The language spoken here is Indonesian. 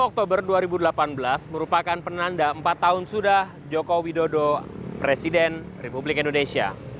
dua puluh oktober dua ribu delapan belas merupakan penanda empat tahun sudah joko widodo presiden republik indonesia